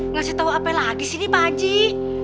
ngasih tahu apa lagi sih nih pakcik